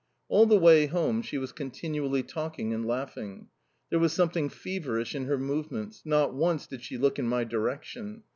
All the way home she was continually talking and laughing. There was something feverish in her movements; not once did she look in my direction.